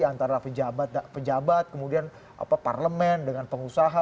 antara pejabat kemudian parlemen dengan pengusaha